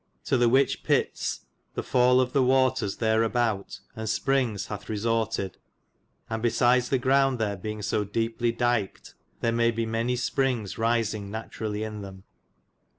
To the whiche pitts the faulle of the waters there about and springs hathe resortyd, and bysyds the grownd there beynge so depely dikid there be many springs risynge naturally in them.